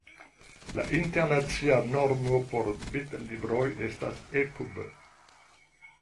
La internacia normo por bitlibroj estas ePub.